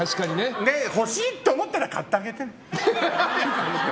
欲しいって思ったら買ってあげて。